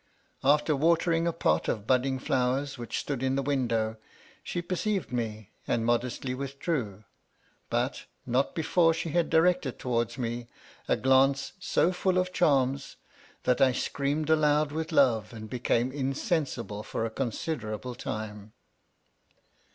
After watering a pot of budding flowers which stood in the window, she per ceived me and modestly withdrew ; but, not before she had directed towards me a glance so full ot charms, that I screamed aloud with love and became insensible for a considerable time.